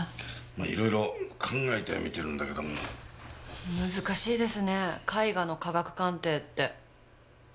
まあ色々考えてはみてるんだけども。難しいですね絵画の科学鑑定って。